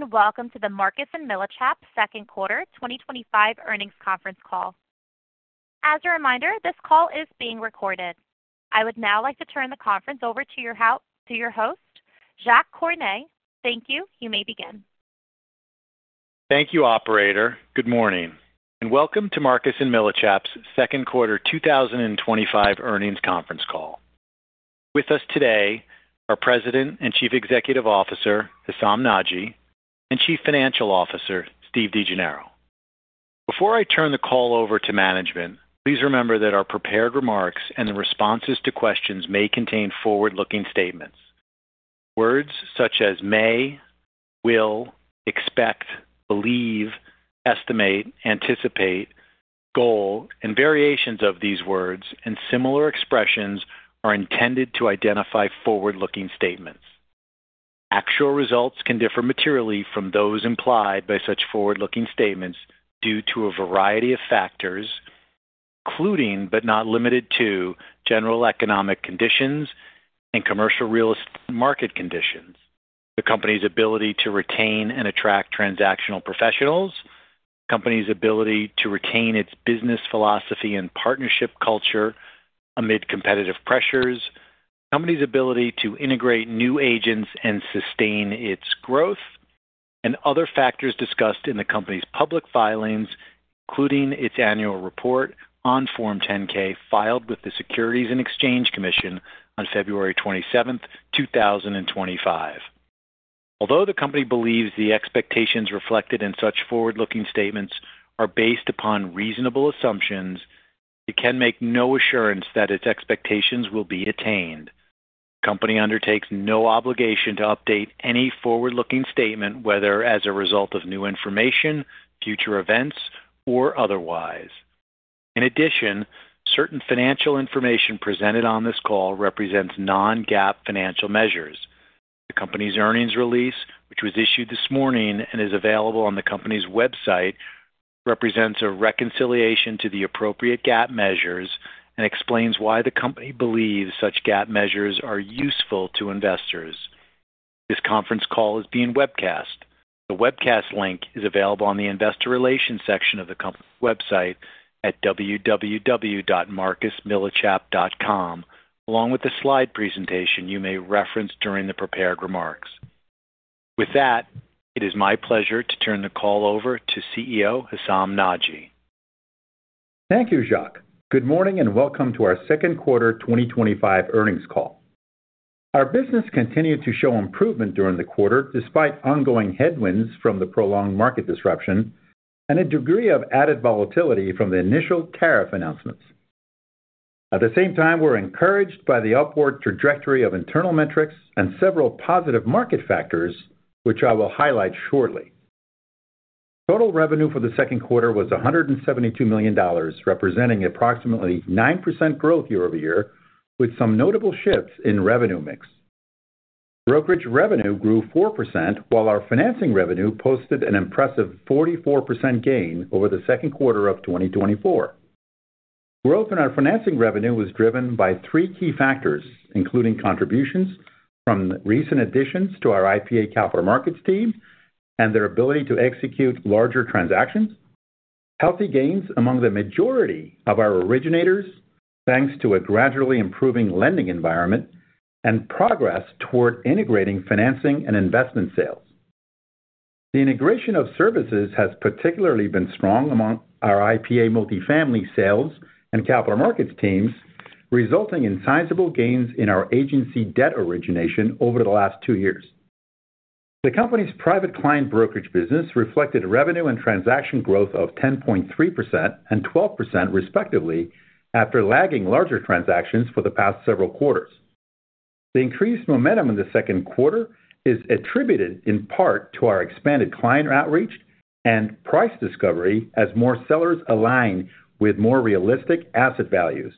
Greetings and welcome to the Marcus & Millichap's Second Quarter 2025 Earnings Conference Call. As a reminder, this call is being recorded. I would now like to turn the conference over to your host, Jacques Cornet. Thank you. You may begin. Thank you, operator. Good morning and welcome to Marcus & Millichap's Second Quarter 2025 Earnings Conference Call. With us today are President and Chief Executive Officer Hessam Nadji, and Chief Financial Officer Steve DeGennaro. Before I turn the call over to management, please remember that our prepared remarks and the responses to questions may contain forward-looking statements. Words such as "may," "will," "expect," "believe," "estimate," "anticipate," "goal," and variations of these words and similar expressions are intended to identify forward-looking statements. Actual results can differ materially from those implied by such forward-looking statements due to a variety of factors, including but not limited to general economic conditions and commercial real estate market conditions, the company's ability to retain and attract transactional professionals, the company's ability to retain its business philosophy and partnership culture amid competitive pressures, the company's ability to integrate new agents and sustain its growth, and other factors discussed in the company's public filings, including its annual report on Form 10-K filed with the Securities and Exchange Commission on February 27th, 2025. Although the company believes the expectations reflected in such forward-looking statements are based upon reasonable assumptions, it can make no assurance that its expectations will be attained. The company undertakes no obligation to update any forward-looking statement, whether as a result of new information, future events, or otherwise. In addition, certain financial information presented on this call represents non-GAAP financial measures. The company's earnings release, which was issued this morning and is available on the company's website, represents a reconciliation to the appropriate GAAP measures and explains why the company believes such GAAP measures are useful to investors. This conference call is being webcast. The webcast link is available on the Investor Relations section of the company's website at www.marcusmillichap.com, along with the slide presentation you may reference during the prepared remarks. With that, it is my pleasure to turn the call over to CEO Hessam Nadji. Thank you, Jacques. Good morning and welcome to our second quarter 2025 earnings call. Our business continued to show improvement during the quarter despite ongoing headwinds from the prolonged market disruption and a degree of added volatility from the initial tariff announcements. At the same time, we're encouraged by the upward trajectory of internal metrics and several positive market factors, which I will highlight shortly. Total revenue for the second quarter was $172 million, representing approximately 9% growth year-over-year, with some notable shifts in revenue mix. Brokerage revenue grew 4%, while our financing revenue posted an impressive 44% gain over the second quarter of 2024. Growth in our financing revenue was driven by three key factors, including contributions from recent additions to our IPA Capital Markets team and their ability to execute larger transactions, healthy gains among the majority of our originators, thanks to a gradually improving lending environment, and progress toward integrating financing and investment sales. The integration of services has particularly been strong among our IPA multifamily sales and capital markets teams, resulting in sizable gains in our agency debt origination over the last two years. The company's private client brokerage business reflected revenue and transaction growth of 10.3% and 12% respectively after lagging larger transactions for the past several quarters. The increased momentum in the second quarter is attributed in part to our expanded client outreach and price discovery as more sellers align with more realistic asset values.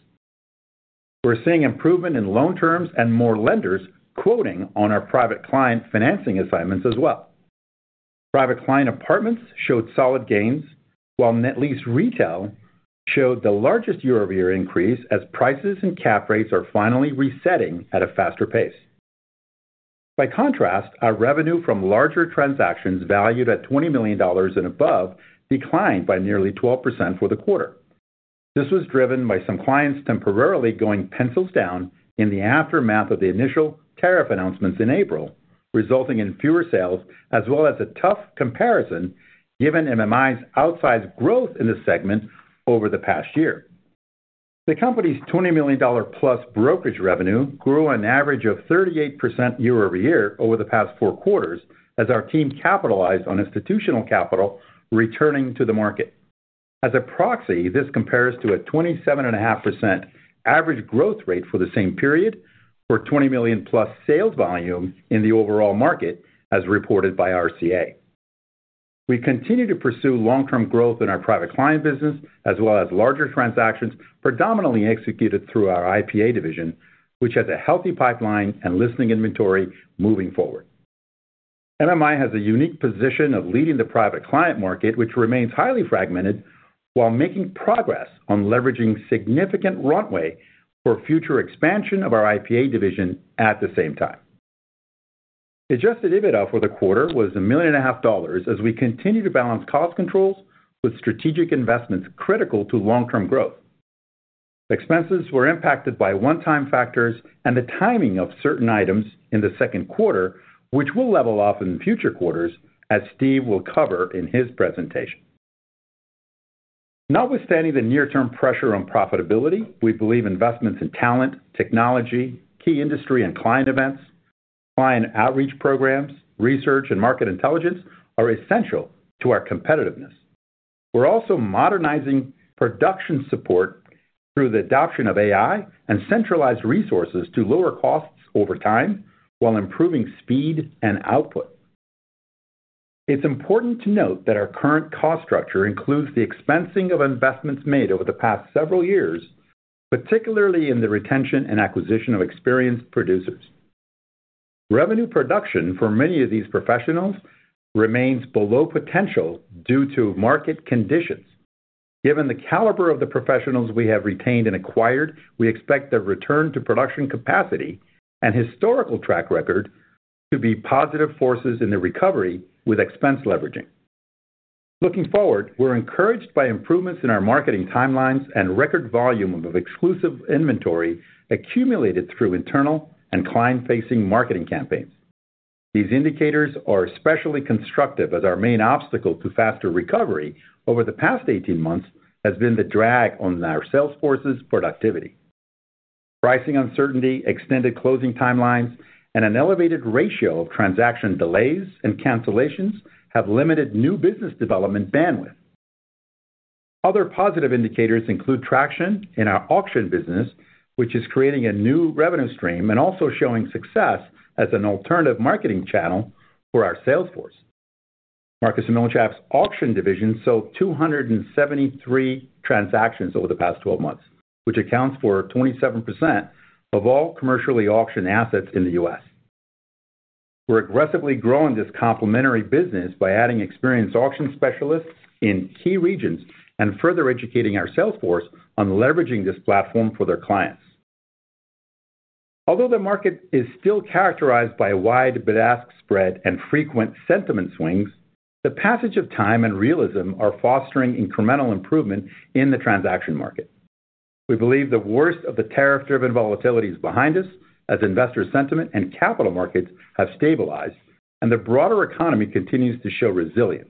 We're seeing improvement in loan terms and more lenders quoting on our private client financing assignments as well. Private client apartments showed solid gains, while net lease retail showed the largest year-over-year increase as prices and cap rates are finally resetting at a faster pace. By contrast, our revenue from larger transactions valued at $20 million and above declined by nearly 12% for the quarter. This was driven by some clients temporarily going pencils down in the aftermath of the initial tariff announcements in April, resulting in fewer sales as well as a tough comparison given MMI's outsized growth in the segment over the past year. The company's $20 million+ brokerage revenue grew an average of 38% year-over-year over the past four quarters as our team capitalized on institutional capital returning to the market. As a proxy, this compares to a 27.5% average growth rate for the same period for $20 million+ sales volume in the overall market, as reported by RCA. We continue to pursue long-term growth in our private client business as well as larger transactions predominantly executed through our IPA division, which has a healthy pipeline and listing inventory moving forward. MMI has a unique position of leading the private client market, which remains highly fragmented, while making progress on leveraging significant runway for future expansion of our IPA division at the same time. The adjusted EBITDA for the quarter was $1.5 million as we continue to balance cost controls with strategic investments critical to long-term growth. Expenses were impacted by one-time factors and the timing of certain items in the second quarter, which will level off in future quarters, as Steve will cover in his presentation. Notwithstanding the near-term pressure on profitability, we believe investments in talent, technology, key industry and client events, client outreach programs, research, and market intelligence are essential to our competitiveness. We're also modernizing production support through the adoption of AI and centralized resources to lower costs over time while improving speed and output. It's important to note that our current cost structure includes the expensing of investments made over the past several years, particularly in the retention and acquisition of experienced producers. Revenue production for many of these professionals remains below potential due to market conditions. Given the caliber of the professionals we have retained and acquired, we expect their return to production capacity and historical track record to be positive forces in the recovery with expense leveraging. Looking forward, we're encouraged by improvements in our marketing timelines and record volume of exclusive inventory accumulated through internal and client-facing marketing campaigns. These indicators are especially constructive as our main obstacle to faster recovery over the past 18 months has been the drag on our sales force's productivity. Pricing uncertainty, extended closing timelines, and an elevated ratio of transaction delays and cancellations have limited new business development bandwidth. Other positive indicators include traction in our auction business, which is creating a new revenue stream and also showing success as an alternative marketing channel for our sales force. Marcus & Millichap's auction division sold 273 transactions over the past 12 months, which accounts for 27% of all commercially auctioned assets in the U.S. We're aggressively growing this complementary business by adding experienced auction specialists in key regions and further educating our sales force on leveraging this platform for their clients. Although the market is still characterized by a wide bid-ask spread and frequent sentiment swings, the passage of time and realism are fostering incremental improvement in the transaction market. We believe the worst of the tariff-driven volatility is behind us as investor sentiment and capital markets have stabilized and the broader economy continues to show resilience.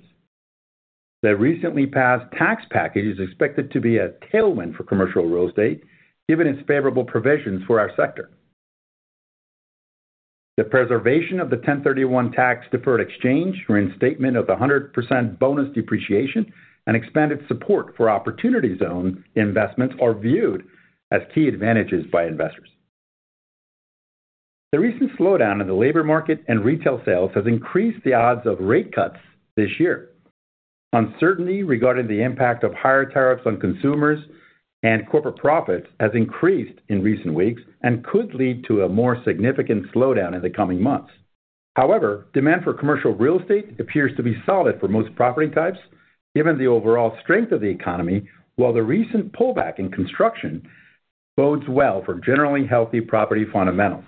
The recently passed tax package is expected to be a tailwind for commercial real estate, given its favorable provisions for our sector. The preservation of the 1031 tax-deferred exchange, reinstatement of the 100% bonus depreciation, and expanded support for Opportunity Zone investments are viewed as key advantages by investors. The recent slowdown in the labor market and retail sales has increased the odds of rate cuts this year. Uncertainty regarding the impact of higher tariffs on consumers and corporate profits has increased in recent weeks and could lead to a more significant slowdown in the coming months. However, demand for commercial real estate appears to be solid for most property types, given the overall strength of the economy, while the recent pullback in construction bodes well for generally healthy property fundamentals.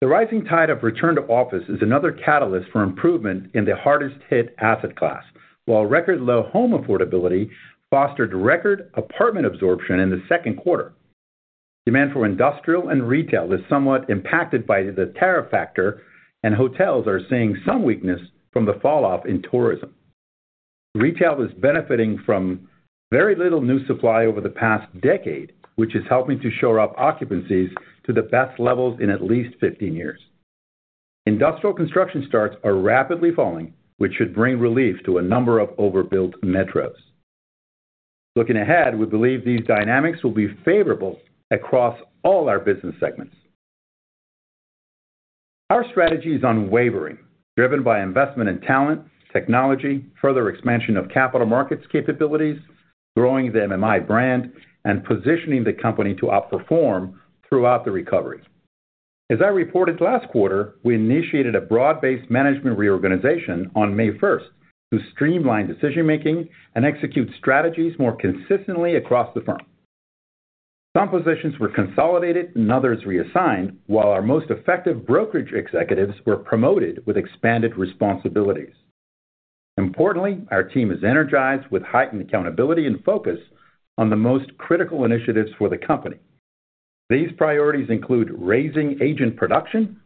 The rising tide of return to office is another catalyst for improvement in the hardest-hit asset class, while record-low home affordability fostered record apartment absorption in the second quarter. Demand for industrial and retail is somewhat impacted by the tariff factor, and hotels are seeing some weakness from the falloff in tourism. Retail is benefiting from very little new supply over the past decade, which is helping to shore up occupancies to the best levels in at least 15 years. Industrial construction starts are rapidly falling, which should bring relief to a number of overbuilt metros. Looking ahead, we believe these dynamics will be favorable across all our business segments. Our strategy is unwavering, driven by investment in talent, technology, further expansion of capital markets capabilities, growing the MMI brand, and positioning the company to outperform throughout the recovery. As I reported last quarter, we initiated a broad-based management reorganization on May 1st to streamline decision-making and execute strategies more consistently across the firm. Some positions were consolidated and others reassigned, while our most effective brokerage executives were promoted with expanded responsibilities. Importantly, our team is energized with heightened accountability and focus on the most critical initiatives for the company. These priorities include raising agent production,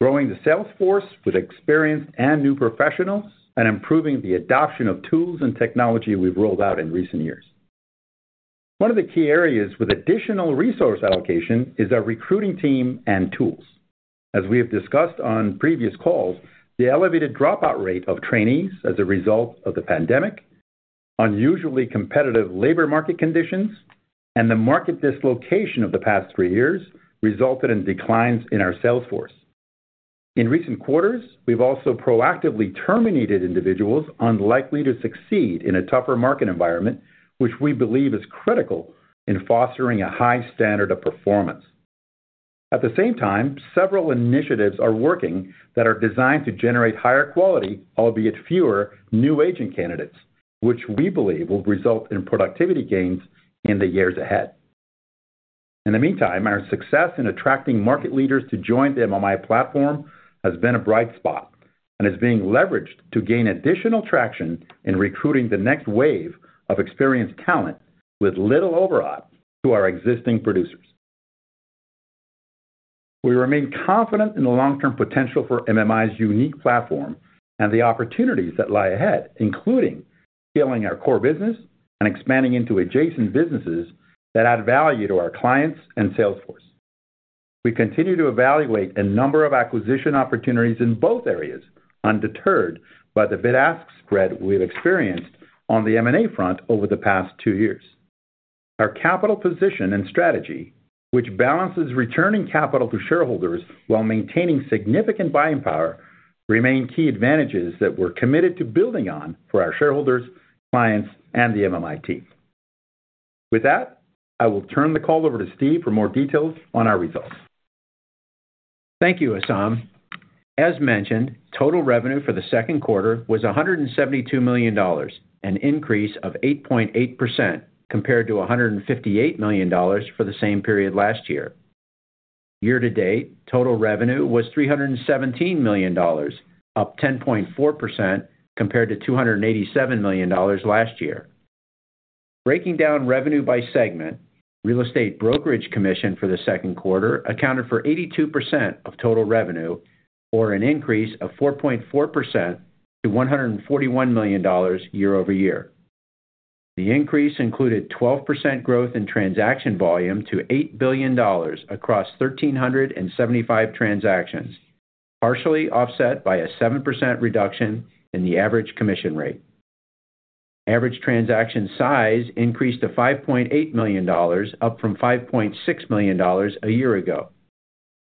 growing the sales force with experienced and new professionals, and improving the adoption of tools and technology we've rolled out in recent years. One of the key areas with additional resource allocation is our recruiting team and tools. As we have discussed on previous calls, the elevated dropout rate of trainees as a result of the pandemic, unusually competitive labor market conditions, and the market dislocation of the past three years resulted in declines in our sales force. In recent quarters, we've also proactively terminated individuals unlikely to succeed in a tougher market environment, which we believe is critical in fostering a high standard of performance. At the same time, several initiatives are working that are designed to generate higher quality, albeit fewer, new agent candidates, which we believe will result in productivity gains in the years ahead. In the meantime, our success in attracting market leaders to join the MMI platform has been a bright spot and is being leveraged to gain additional traction in recruiting the next wave of experienced talent with little overlap to our existing producers. We remain confident in the long-term potential for MMI's unique platform and the opportunities that lie ahead, including scaling our core business and expanding into adjacent businesses that add value to our clients and sales force. We continue to evaluate a number of acquisition opportunities in both areas, undeterred by the bid ask spread we've experienced on the M&A front over the past two years. Our capital position and strategy, which balances returning capital to shareholders while maintaining significant buying power, remain key advantages that we're committed to building on for our shareholders, clients, and the MMI team. With that, I will turn the call over to Steve for more details on our results. Thank you, Hessam. As mentioned, total revenue for the second quarter was $172 million, an increase of 8.8% compared to $158 million for the same period last year. Year-to-date, total revenue was $317 million, up 10.4% compared to $287 million last year. Breaking down revenue by segment, Real Estate Brokerage Commission for the second quarter accounted for 82% of total revenue, or an increase of 4.4% to $141 million year-over-year. The increase included 12% growth in transaction volume to $8 billion across 1,375 transactions, partially offset by a 7% reduction in the average commission rate. Average transaction size increased to $5.8 million, up from $5.6 million a year ago.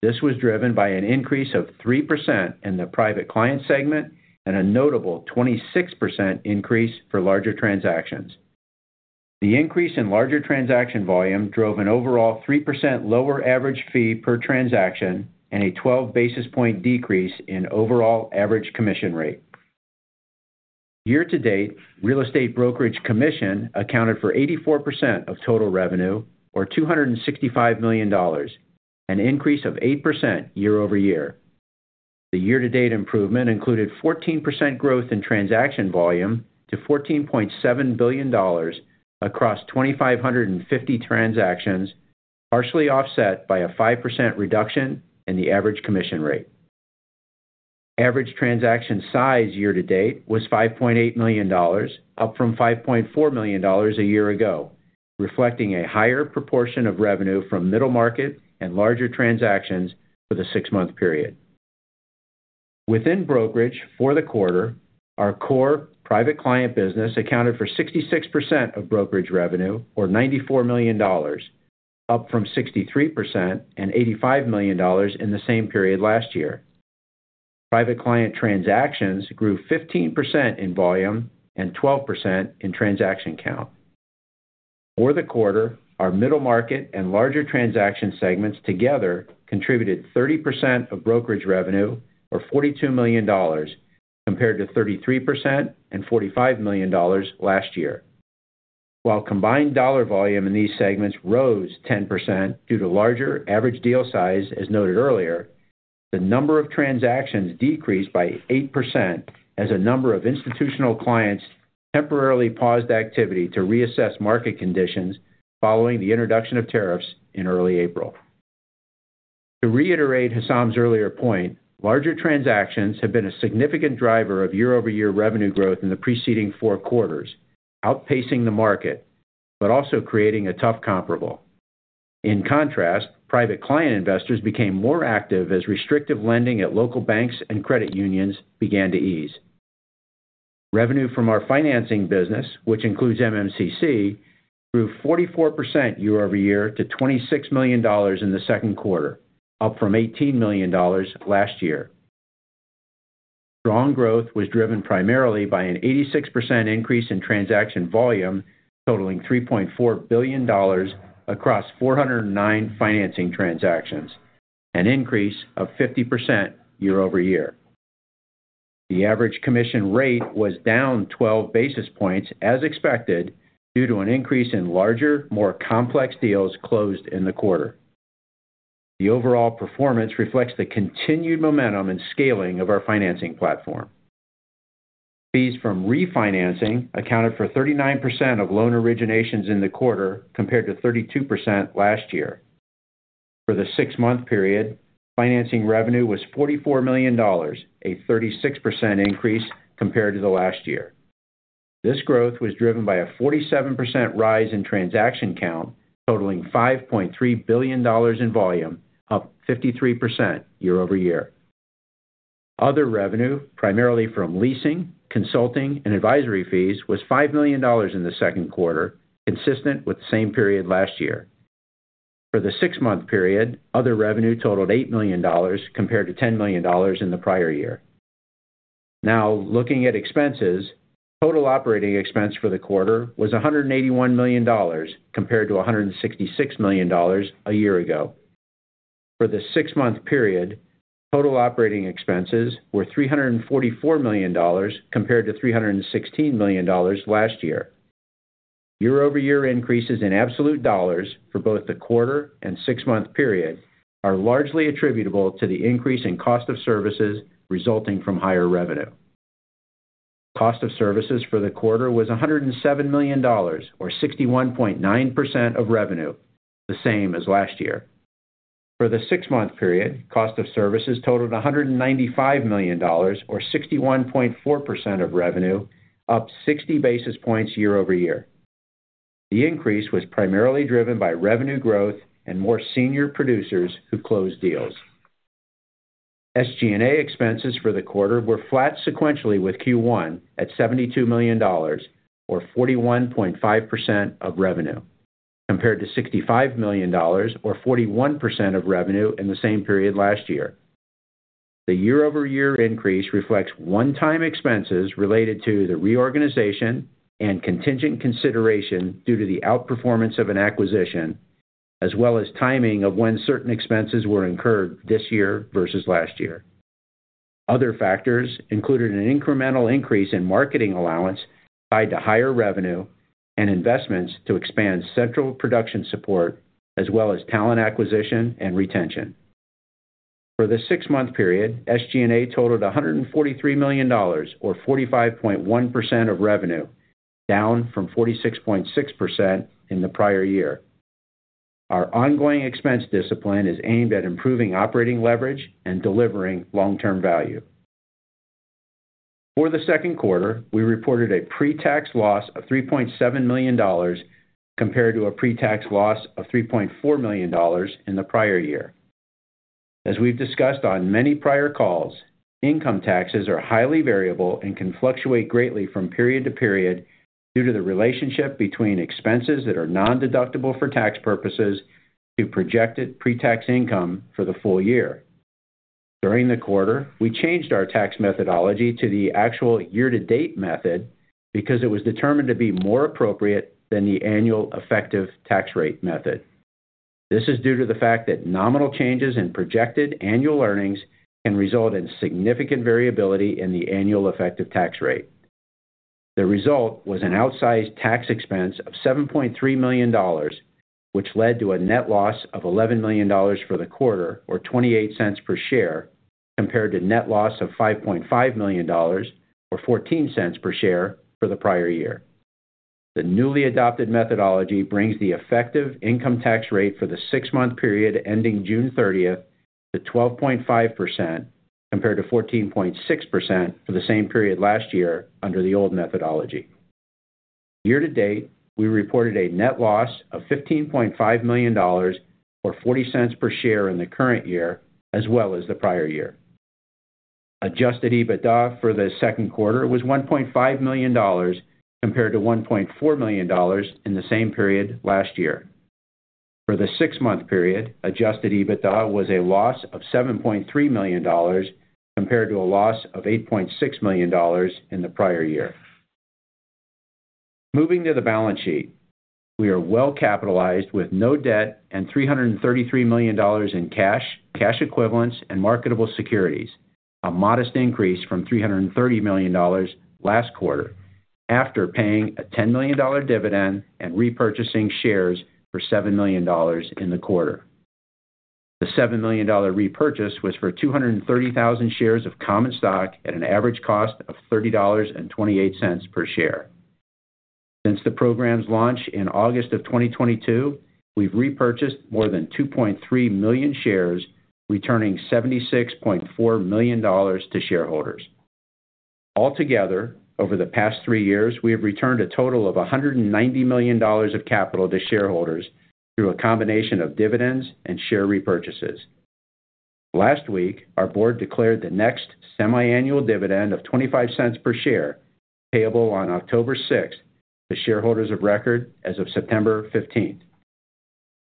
This was driven by an increase of 3% in the private client segment and a notable 26% increase for larger transactions. The increase in larger transaction volume drove an overall 3% lower average fee per transaction and a 12-basis point decrease in overall average commission rate. Year-to-date, Real Estate Brokerage Commission accounted for 84% of total revenue, or $265 million, an increase of 8% year-over-year. The year-to-date improvement included 14% growth in transaction volume to $14.7 billion across 2,550 transactions, partially offset by a 5% reduction in the average commission rate. Average transaction size year-to-date was $5.8 million, up from $5.4 million a year ago, reflecting a higher proportion of revenue from middle market and larger transactions for the six-month period. Within brokerage for the quarter, our core private client business accounted for 66% of brokerage revenue, or $94 million, up from 63% and $85 million in the same period last year. Private client transactions grew 15% in volume and 12% in transaction count. For the quarter, our middle market and larger transaction segments together contributed 30% of brokerage revenue, or $42 million, compared to 33% and $45 million last year. While combined dollar volume in these segments rose 10% due to larger average deal size, as noted earlier, the number of transactions decreased by 8% as a number of institutional clients temporarily paused activity to reassess market conditions following the introduction of tariffs in early April. To reiterate Hessam's earlier point, larger transactions have been a significant driver of year-over-year revenue growth in the preceding four quarters, outpacing the market, but also creating a tough comparable. In contrast, private client investors became more active as restrictive lending at local banks and credit unions began to ease. Revenue from our financing business, which includes MMCC, grew 44% year-over-year to $26 million in the second quarter, up from $18 million last year. Strong growth was driven primarily by an 86% increase in transaction volume, totaling $3.4 billion across 409 financing transactions, an increase of 50% year-over-year. The average commission rate was down 12 basis points, as expected, due to an increase in larger, more complex deals closed in the quarter. The overall performance reflects the continued momentum and scaling of our financing platform. Fees from refinancing accounted for 39% of loan originations in the quarter compared to 32% last year. For the six-month period, financing revenue was $44 million, a 36% increase compared to last year. This growth was driven by a 47% rise in transaction count, totaling $5.3 billion in volume, up 53% year-over-year. Other revenue, primarily from leasing, consulting, and advisory fees, was $5 million in the second quarter, consistent with the same period last year. For the six-month period, other revenue totaled $8 million compared to $10 million in the prior year. Now, looking at expenses, total operating expense for the quarter was $181 million compared to $166 million a year ago. For the six-month period, total operating expenses were $344 million compared to $316 million last year. Year-over-year increases in absolute dollars for both the quarter and six-month period are largely attributable to the increase in cost of services resulting from higher revenue. Cost of services for the quarter was $107 million, or 61.9% of revenue, the same as last year. For the six-month period, cost of services totaled $195 million, or 61.4% of revenue, up 60 basis points year-over-year. The increase was primarily driven by revenue growth and more senior producers who closed deals. SG&A expenses for the quarter were flat sequentially with Q1 at $72 million, or 41.5% of revenue, compared to $65 million, or 41% of revenue in the same period last year. The year-over-year increase reflects one-time expenses related to the reorganization and contingent consideration due to the outperformance of an acquisition, as well as timing of when certain expenses were incurred this year versus last year. Other factors included an incremental increase in marketing allowance tied to higher revenue and investments to expand central production support, as well as talent acquisition and retention. For the six-month period, SG&A totaled $143 million, or 45.1% of revenue, down from 46.6% in the prior year. Our ongoing expense discipline is aimed at improving operating leverage and delivering long-term value. For the second quarter, we reported a pre-tax loss of $3.7 million compared to a pre-tax loss of $3.4 million in the prior year. As we've discussed on many prior calls, income taxes are highly variable and can fluctuate greatly from period to period due to the relationship between expenses that are non-deductible for tax purposes to projected pre-tax income for the full year. During the quarter, we changed our tax methodology to the actual year-to-date method because it was determined to be more appropriate than the annual effective tax rate method. This is due to the fact that nominal changes in projected annual earnings can result in significant variability in the annual effective tax rate. The result was an outsized tax expense of $7.3 million, which led to a net loss of $11 million for the quarter, or $0.28 per share, compared to a net loss of $5.5 million, or $0.14 per share for the prior year. The newly adopted methodology brings the effective income tax rate for the six-month period ending June 30th to 12.5% compared to 14.6% for the same period last year under the old methodology. Year to date, we reported a net loss of $15.5 million, or $0.40 per share in the current year, as well as the prior year. Adjusted EBITDA for the second quarter was $1.5 million compared to $1.4 million in the same period last year. For the six-month period, adjusted EBITDA was a loss of $7.3 million compared to a loss of $8.6 million in the prior year. Moving to the balance sheet, we are well capitalized with no debt and $333 million in cash, cash equivalents, and marketable securities, a modest increase from $330 million last quarter after paying a $10 million dividend and repurchasing shares for $7 million in the quarter. The $7 million repurchase was for 230,000 shares of common stock at an average cost of $30.28 per share. Since the program's launch in August of 2022, we've repurchased more than 2.3 million shares, returning $76.4 million to shareholders. Altogether, over the past three years, we have returned a total of $190 million of capital to shareholders through a combination of dividends and share repurchases. Last week, our board declared the next semi-annual dividend of $0.25 per share, payable on October 6th to shareholders of record as of September 15th.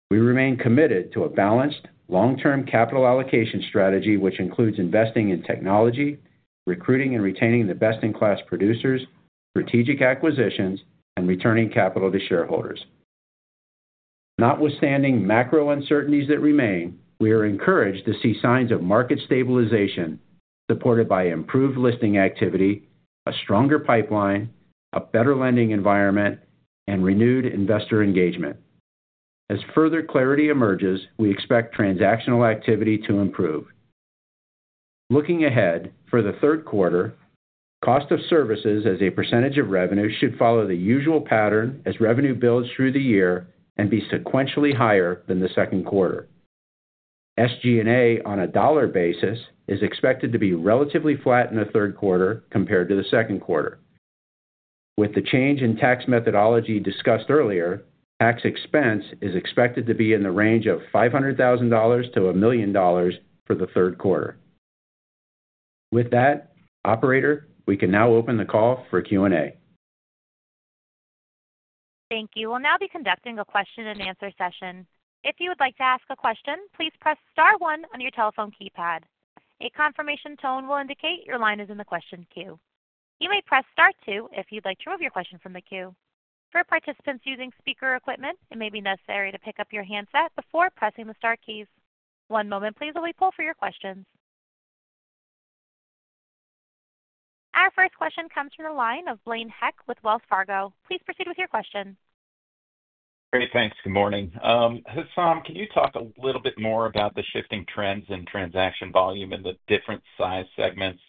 We remain committed to a balanced, long-term capital allocation strategy, which includes investing in technology, recruiting and retaining the best-in-class producers, strategic acquisitions, and returning capital to shareholders. Notwithstanding macro uncertainties that remain, we are encouraged to see signs of market stabilization supported by improved listing activity, a stronger pipeline, a better lending environment, and renewed investor engagement. As further clarity emerges, we expect transactional activity to improve. Looking ahead for the third quarter, cost of services as a percentage of revenue should follow the usual pattern as revenue builds through the year and be sequentially higher than the second quarter. SG&A on a dollar basis is expected to be relatively flat in the third quarter compared to the second quarter. With the change in tax methodology discussed earlier, tax expense is expected to be in the range of $500,000 to $1 million for the third quarter. With that, operator, we can now open the call for Q&A. Thank you. We'll now be conducting a question-and-answer session. If you would like to ask a question, please press star one on your telephone keypad. A confirmation tone will indicate your line is in the question queue. You may press star two if you'd like to remove your question from the queue. For participants using speaker equipment, it may be necessary to pick up your handset before pressing the star keys. One moment, please, while we poll for your questions. Our first question comes from the line of Blaine Heck with Wells Fargo. Please proceed with your question. Great, thanks. Good morning. Hessam, can you talk a little bit more about the shifting trends in transaction volume in the different size segments,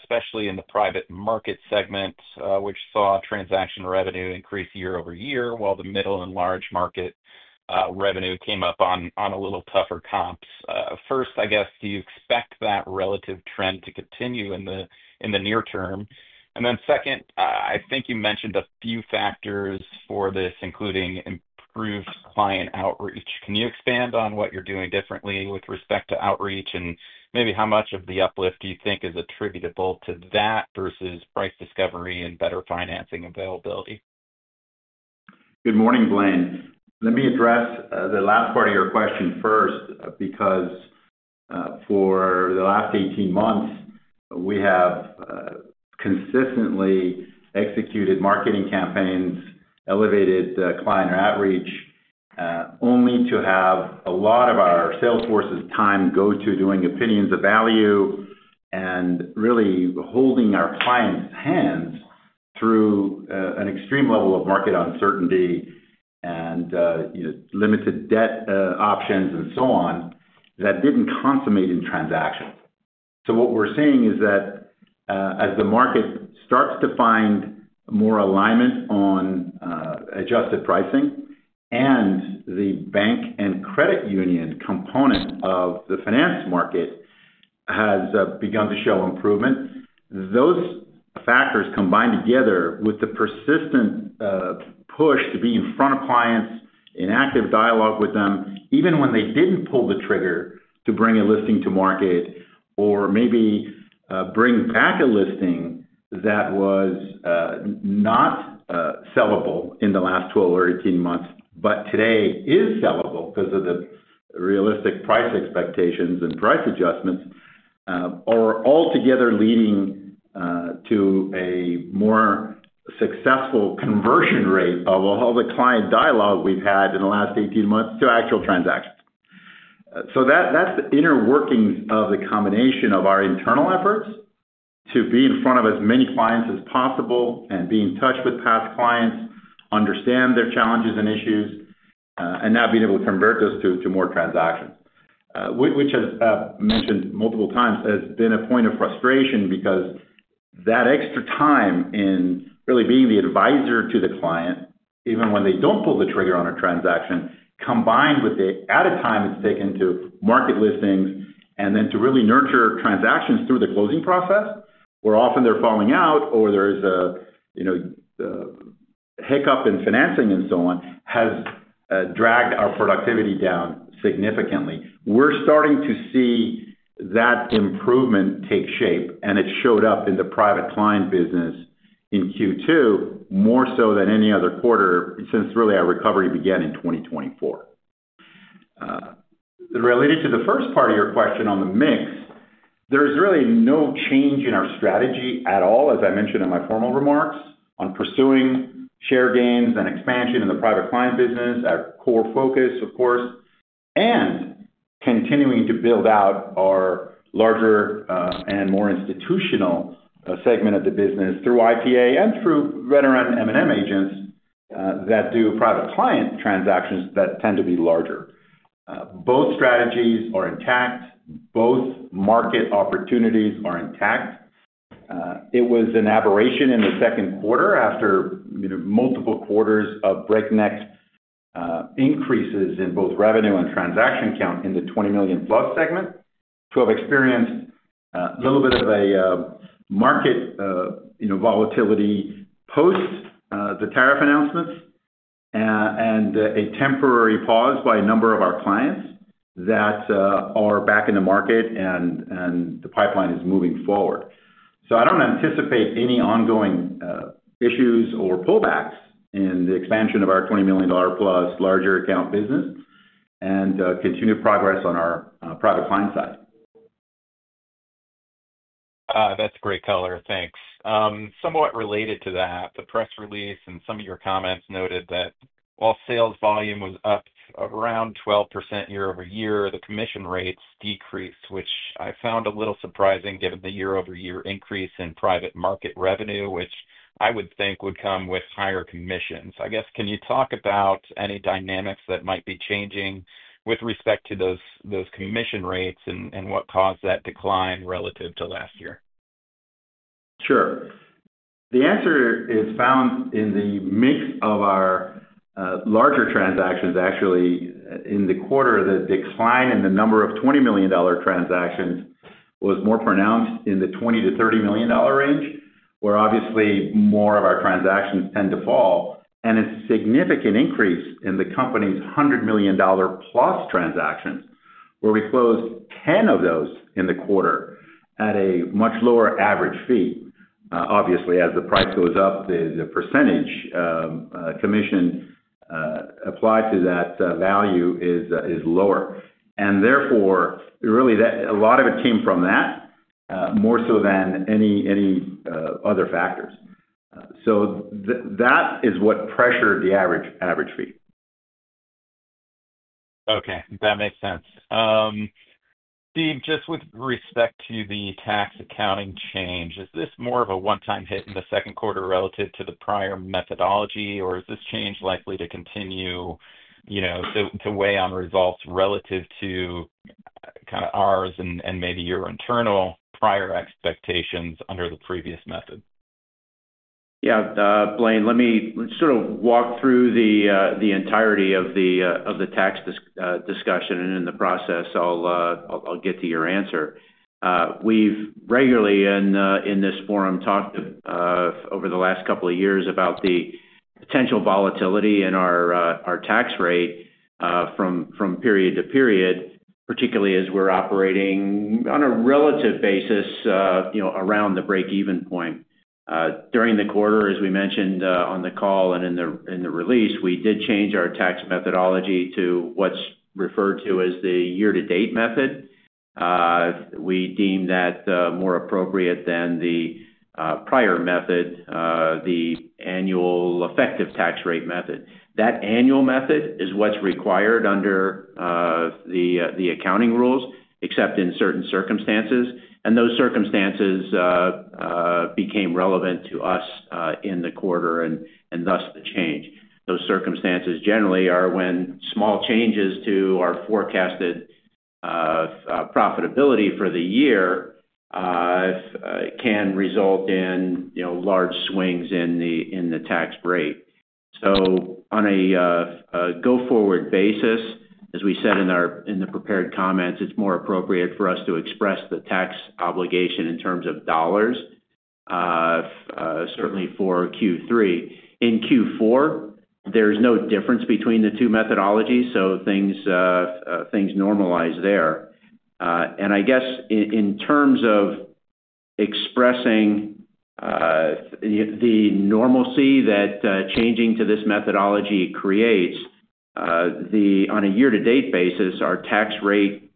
especially in the private market segment, which saw transaction revenue increase year-over-year, while the middle and large market revenue came up on a little tougher comps? First, I guess, do you expect that relative trend to continue in the near term? I think you mentioned a few factors for this, including improved client outreach. Can you expand on what you're doing differently with respect to outreach and maybe how much of the uplift do you think is attributable to that versus price discovery and better financing availability? Good morning, Blaine. Let me address the latter part of your question first because for the last 18 months, we have consistently executed marketing campaigns, elevated client outreach, only to have a lot of our sales force's time go to doing opinions of value and really holding our clients' hands through an extreme level of market uncertainty and limited debt options and so on that didn't consummate in transactions. What we're seeing is that as the market starts to find more alignment on adjusted pricing and the bank and credit union component of the finance market has begun to show improvement, those factors combined together with the persistent push to be in front of clients, in active dialogue with them, even when they didn't pull the trigger to bring a listing to market or maybe bring back a listing that was not sellable in the last 12 or 18 months, but today is sellable because of the realistic price expectations and price adjustments, are altogether leading to a more successful conversion rate of all the client dialogue we've had in the last 18 months to actual transactions. That's the inner workings of the combination of our internal efforts to be in front of as many clients as possible and be in touch with past clients, understand their challenges and issues, and now being able to convert those to more transactions, which I've mentioned multiple times, has been a point of frustration because that extra time in really being the advisor to the client, even when they don't pull the trigger on a transaction, combined with the added time it's taken to market listings and then to really nurture transactions through the closing process, where often they're falling out or there's a hiccup in financing and so on, has dragged our productivity down significantly. We're starting to see that improvement take shape, and it showed up in the private client business in Q2 more so than any other quarter since really our recovery began in 2024. Related to the first part of your question on the mix, there is really no change in our strategy at all, as I mentioned in my formal remarks, on pursuing share gains and expansion in the private client business, our core focus, of course, and continuing to build out our larger and more institutional segment of the business through IPA and through veteran M&M agents that do private client transactions that tend to be larger. Both strategies are intact. Both market opportunities are intact. It was an aberration in the second quarter after multiple quarters of breakneck increases in both revenue and transaction count in the $20 million+ segment to have experienced a little bit of a market volatility post the tariff announcements and a temporary pause by a number of our clients that are back in the market and the pipeline is moving forward. I don't anticipate any ongoing issues or pullbacks in the expansion of our $20 million+ larger account business and continued progress on our private client side. That's a great color. Thanks. Somewhat related to that, the press release and some of your comments noted that while sales volume was up around 12% year-over-year, the commission rates decreased, which I found a little surprising given the year-over-year increase in private market revenue, which I would think would come with higher commissions. I guess, can you talk about any dynamics that might be changing with respect to those commission rates and what caused that decline relative to last year? Sure. The answer is balanced in the mix of our larger transactions. Actually, in the quarter, the decline in the number of $20 million transactions was more pronounced in the $20 million-$30 million range, where obviously more of our transactions tend to fall, and a significant increase in the company's $100 million+ transactions, where we closed 10 of those in the quarter at a much lower average fee. Obviously, as the price goes up, the percentage commission applied to that value is lower. Therefore, really, a lot of it came from that, more so than any other factors. That is what pressured the average fee. Okay, that makes sense. Steve, just with respect to the tax accounting change, is this more of a one-time hit in the second quarter relative to the prior methodology, or is this change likely to continue to weigh on results relative to kind of ours and maybe your internal prior expectations under the previous method? Yeah, Blaine, let me sort of walk through the entirety of the tax discussion, and in the process, I'll get to your answer. We've regularly in this forum talked over the last couple of years about the potential volatility in our tax rate from period to period, particularly as we're operating on a relative basis around the break-even point. During the quarter, as we mentioned on the call and in the release, we did change our tax methodology to what's referred to as the year-to-date method. We deem that more appropriate than the prior method, the annual effective tax rate method. That annual method is what's required under the accounting rules, except in certain circumstances, and those circumstances became relevant to us in the quarter and thus the change. Those circumstances generally are when small changes to our forecasted profitability for the year can result in large swings in the tax rate. On a go-forward basis, as we said in the prepared comments, it's more appropriate for us to express the tax obligation in terms of dollars, certainly for Q3. In Q4, there's no difference between the two methodologies, so things normalize there. I guess in terms of expressing the normalcy that changing to this methodology creates, on a year-to-date basis, our tax rate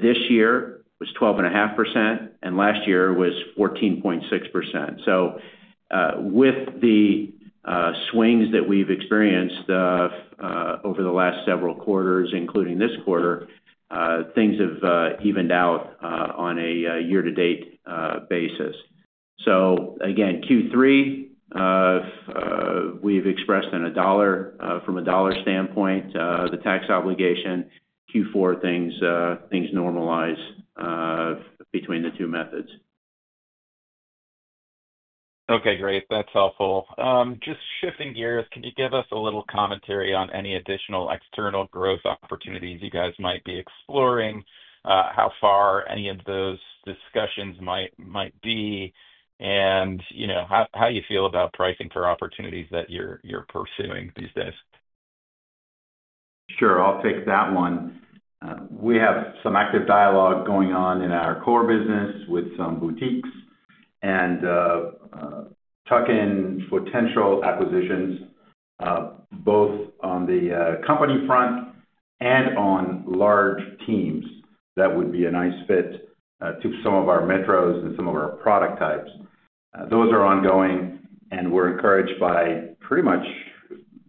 this year was 12.5% and last year was 14.6%. With the swings that we've experienced over the last several quarters, including this quarter, things have evened out on a year-to-date basis. Again, Q3, we've expressed from a dollar standpoint the tax obligation. Q4, things normalize between the two methods. Okay, great. That's helpful. Just shifting gears, can you give us a little commentary on any additional external growth opportunities you guys might be exploring, how far any of those discussions might be, and how you feel about pricing for opportunities that you're pursuing these days? Sure, I'll take that one. We have some active dialogue going on in our core business with some boutiques and tuck-in potential acquisitions, both on the company front and on large teams that would be a nice fit to some of our metros and some of our product types. Those are ongoing, and we're encouraged by pretty much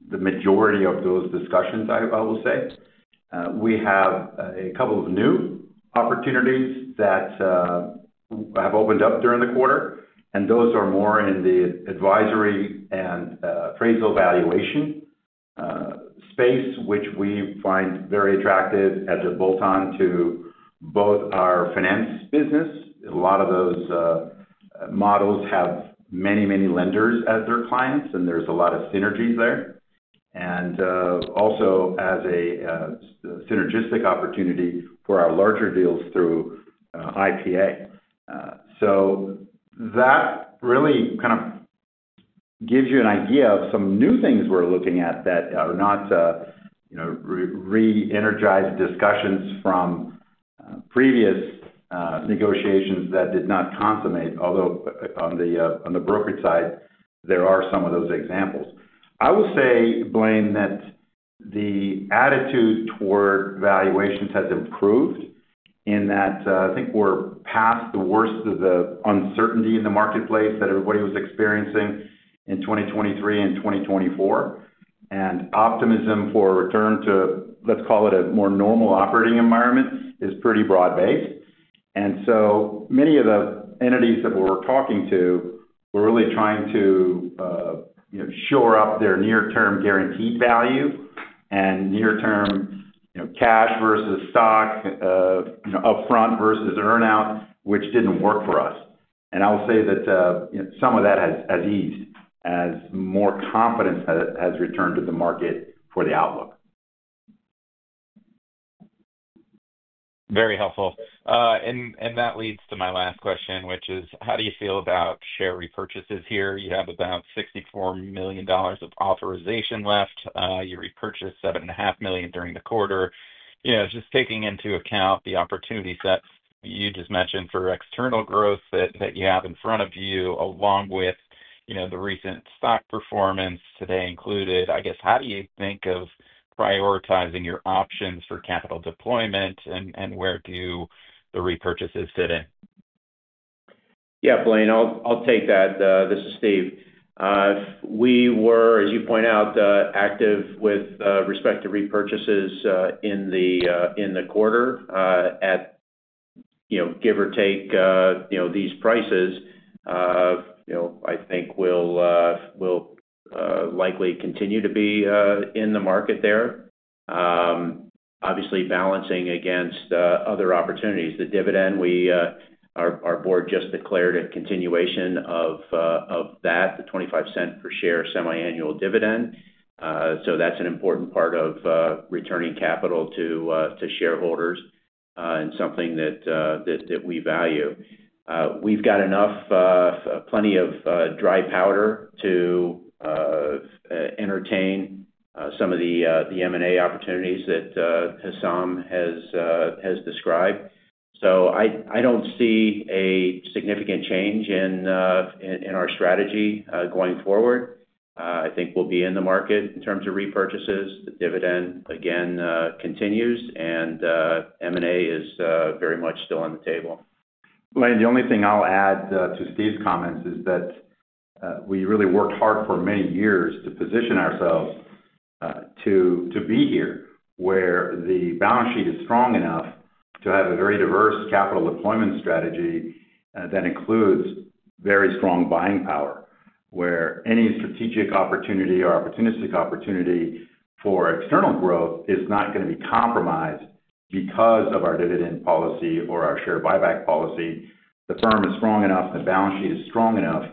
the majority of those discussions, I will say. We have a couple of new opportunities that have opened up during the quarter, and those are more in the advisory and appraisal valuation space, which we find very attractive as a bolt-on to both our finance business. A lot of those models have many, many lenders as their clients, and there's a lot of synergies there. Also, as a synergistic opportunity for our larger deals through Institutional Property Advisors. That really kind of gives you an idea of some new things we're looking at that are not re-energized discussions from previous negotiations that did not consummate, although on the brokerage side, there are some of those examples. I will say, Blaine, that the attitude toward valuations has improved in that I think we're past the worst of the uncertainty in the marketplace that everybody was experiencing in 2023 and 2024, and optimism for a return to, let's call it a more normal operating environment is pretty broad-based. Many of the entities that we're talking to were really trying to shore up their near-term guaranteed value and near-term cash versus stock, upfront versus earnout, which didn't work for us. I'll say that some of that has eased as more confidence has returned to the market for the outlook. Very helpful. That leads to my last question, which is, how do you feel about share repurchases here? You have about $64 million of authorization left. You repurchased $7.5 million during the quarter. Just taking into account the opportunities that you just mentioned for external growth that you have in front of you, along with the recent stock performance today included, I guess, how do you think of prioritizing your options for capital deployment and where do the repurchases fit in? Yeah, Blaine, I'll take that. This is Steve. We were, as you point out, active with respect to repurchases in the quarter at, give or take, these prices. I think we'll likely continue to be in the market there, obviously balancing against other opportunities. The dividend, our board just declared a continuation of that, the $0.25 per share semi-annual dividend. That's an important part of returning capital to shareholders and something that we value. We've got enough, plenty of dry powder to entertain some of the M&A opportunities that Hessam has described. I don't see a significant change in our strategy going forward. I think we'll be in the market in terms of repurchases. The dividend, again, continues, and M&A is very much still on the table. Blaine, the only thing I'll add to Steve DeGennaro's comments is that we really worked hard for many years to position ourselves to be here, where the balance sheet is strong enough to have a very diverse capital deployment strategy that includes very strong buying power, where any strategic opportunity or opportunistic opportunity for external growth is not going to be compromised because of our dividend policy or our share buyback policy. The firm is strong enough and the balance sheet is strong enough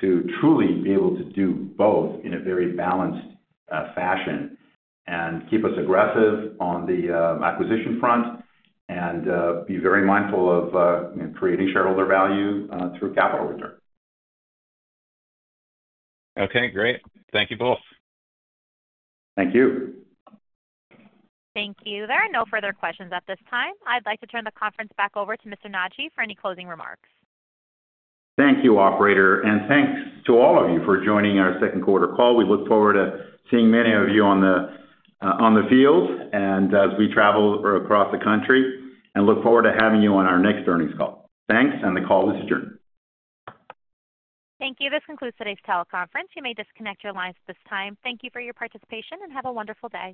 to truly be able to do both in a very balanced fashion and keep us aggressive on the acquisition front and be very mindful of creating shareholder value through capital return. Okay, great. Thank you both. Thank you. Thank you. There are no further questions at this time. I'd like to turn the conference back over to Mr. Nadji for any closing remarks. Thank you, operator, and thanks to all of you for joining our second quarter call. We look forward to seeing many of you on the field as we travel across the country, and look forward to having you on our next earnings call. Thanks, and the call is adjourned. Thank you. This concludes today's teleconference. You may disconnect your lines at this time. Thank you for your participation and have a wonderful day.